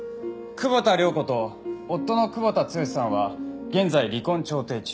久保田涼子と夫の久保田剛さんは現在離婚調停中。